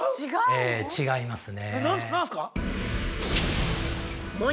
ええ違いますね。